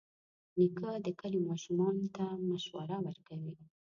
نیکه د کلي ماشومانو ته مشوره ورکوي.